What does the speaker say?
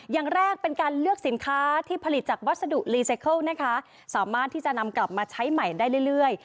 อย่างแรกเป็นการเลือกสินค้าที่ผลิตจากวัสดุรีไซเคิลนะคะสามารถที่จะนำกลับมาใช้ใหม่ได้เรื่อย